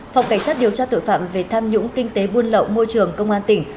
phòng cảnh sát điều tra tội phạm về tham nhũng kinh tế buôn lậu môi trường công an tỉnh